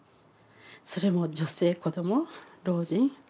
それも女性子ども老人。